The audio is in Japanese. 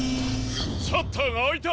シャッターがあいた！